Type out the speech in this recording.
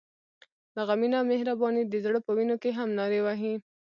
دغه مینه او مهرباني د زړه په وینو کې هم نارې وهي.